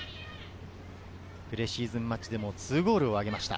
プレシーズンマッチでも２ゴールを挙げました。